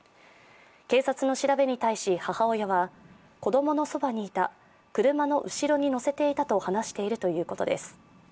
警察の調べに対し母親は子供のそばにいた、車の後ろに乗せていたと話しているということです。